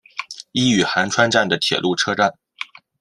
伊予寒川站的铁路车站。